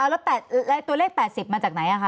แล้วตัวเลข๘๐มาจากไหนคะ